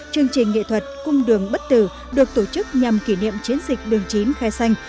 chương trình nghệ thuật cung đường bất tử được tổ chức nhằm kỷ niệm chiến dịch đường chín khai xanh